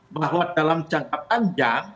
bahwa dalam jangka panjang